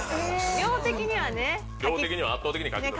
量的にはね。